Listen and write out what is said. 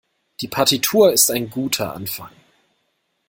Die Partitur ist ein guter Anfang.